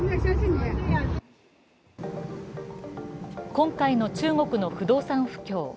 今回の中国の不動産不況。